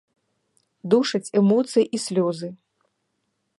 Душаць эмоцыі і слёзы.